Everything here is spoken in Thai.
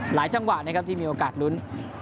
จังหวะนะครับที่มีโอกาสลุ้น